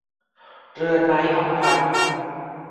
เรือนไม้อำพัน